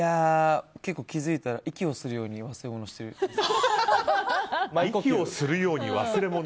結構、気づいたら息をするように忘れ物してます。